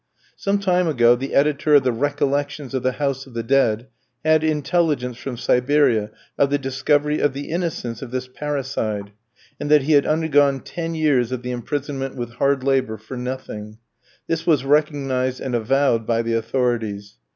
"Some time ago the editor of the 'Recollections of the House of the Dead,' had intelligence from Siberia of the discovery of the innocence of this 'parricide,' and that he had undergone ten years of the imprisonment with hard labour for nothing; this was recognised and avowed by the authorities.